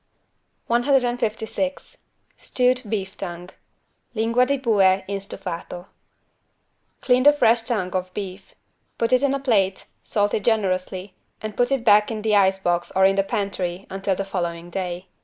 156 STEWED BEEF TONGUE (Lingua di bue in stufato) Clean a fresh tongue of beef; put it in a plate, salt it generously and put it back in the ice box or in the pantry, until the following day.